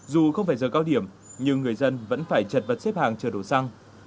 dù không phải giờ cao điểm nhưng người dân vẫn phải chật vật xếp hàng chờ đổ xăng